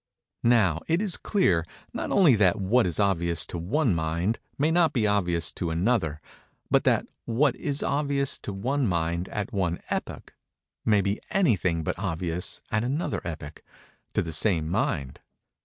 Now, it is clear, not only that what is obvious to one mind may not be obvious to another, but that what is obvious to one mind at one epoch, may be anything but obvious, at another epoch, to the same mind.